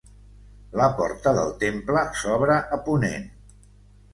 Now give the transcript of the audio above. La porta del temple s'obre a ponent.